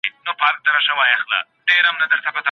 مطالعه د وخت غوره تېرول دي.